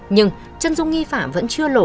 nhưng chân dung nghi phạm vẫn chưa lộ